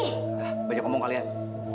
hah banyak omong kalian